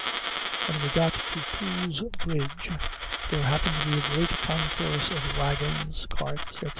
When we got to Poole's Bridge, there happened to be a great concourse of wagons, carts, &c.